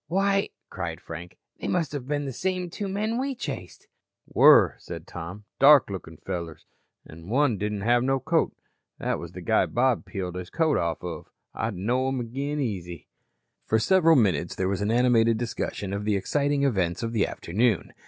"Why," cried Frank, "they must have been the same two men we chased." "Were," said Tom. "Dark lookin' fellers an' one didn't have no coat. That was the guy Bob peeled his coat off of. I'd know 'em agin easy." For several minutes there was an animated discussion of the exciting events of the afternoon.